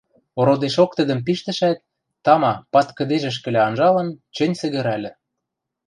Ородешок тӹдӹм пиштӹшӓт, тама, пад кӹдежӹшкӹлӓ анжалын, чӹнь сӹгӹрӓльӹ: